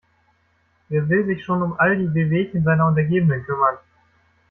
Wer will sich schon um all die Wehwehchen seiner Untergebenen kümmern?